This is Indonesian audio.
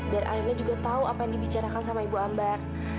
akhirnya juga tahu apa yang dibicarakan sama ibu ambar